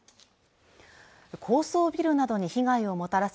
高層ビルなどに被害をもたらす